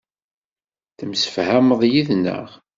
Temsefhameḍ yid-neɣ.